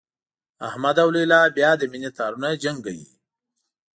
احمد او لیلا بیا د مینې تارونه جنګوي.